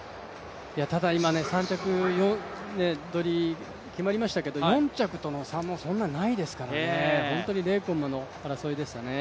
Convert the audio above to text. ただ３着取り決まりましたけれども、４着との差もそんなにないですからね、本当に０コンマの争いでしたね。